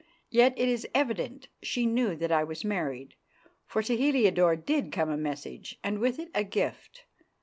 Yet it is evident she knew that I was married, for to Heliodore did come a message, and with it a gift.